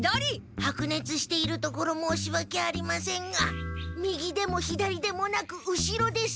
はくねつしているところ申しわけありませんが右でも左でもなく後ろです。